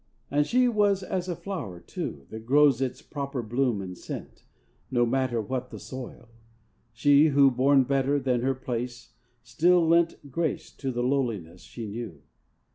And she was as a flower, too, That grows its proper bloom and scent No matter what the soil: she, who, Born better than her place, still lent Grace to the lowliness she knew....